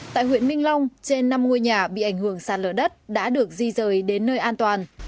tại huyện minh long trên năm ngôi nhà bị ảnh hưởng sạt lở đất đã được di rời đến nơi an toàn